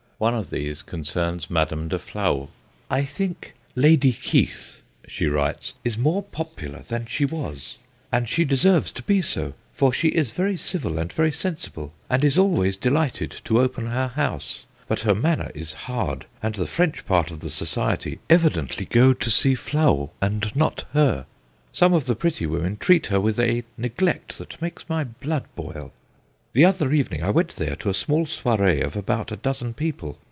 One of these concerns Madame de Flahault. 'I think Lady Keith, 1 she writes, ' is more popular than she was, and 154 THE GHOSTS OF PICCADILLY she deserves to be so, for she is very civil and very sensible, and is always delighted to open her house ; but her manner is hard, and the French part of the society evidently go to see Flahault and not her. Some of the pretty women treat her with a neglect that makes my blood boil. The other even ing I went there to a small soiree of about a dozen people.